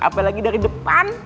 apalagi dari depan